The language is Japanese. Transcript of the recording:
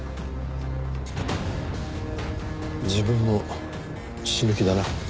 自分も死ぬ気だな？